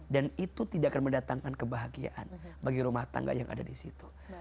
dan itu tidak akan mendatangkan kebahagiaan bagi rumah tangga yang ada disitu